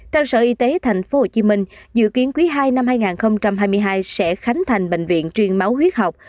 theo sở y tế tp hcm dự kiến quý ii năm hai nghìn hai mươi hai sẽ khánh thành bệnh viện truyền máu huyết học